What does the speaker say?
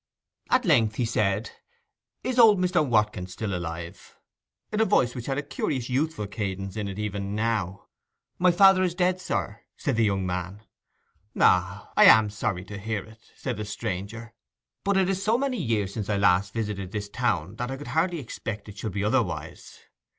At length he said, 'Is old Mr. Watkins still alive?' in a voice which had a curious youthful cadence in it even now. 'My father is dead, sir,' said the young man. 'Ah, I am sorry to hear it,' said the stranger. 'But it is so many years since I last visited this town that I could hardly expect it should be otherwise.